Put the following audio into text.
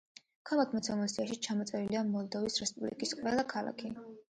ქვემოთ მოცემულ სიაში ჩამოწერილია მოლდოვის რესპუბლიკის ყველა ქალაქი.